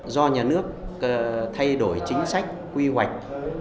do nhà nước thay đổi chính sách quy hoạch